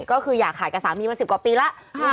ก็คืออยากขายกับสามีมา๑๐กว่าปีแล้ว